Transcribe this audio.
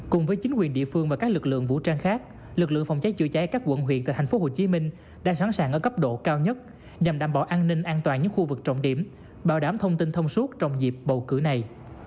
cùng với chính quyền địa phương và các lực lượng vũ trang khác lực lượng phòng cháy chứa cháy các quận huyện tại thành phố hồ chí minh đang sẵn sàng ở cấp độ cao nhất nhằm đảm bảo an ninh an toàn những khu vực trọng điểm bảo đảm thông tin thông suốt trong dịp bầu cử này